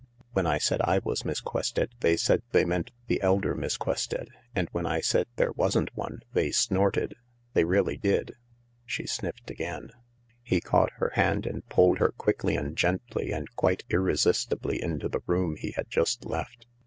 When I said I was Miss Quested they said they meant the elder Miss Quested, and when I said there wasn't one they snorted. They did really." She sniffed again. He caught her hand and pulled her quickly and gently and quite irresistibly into the room he had just left.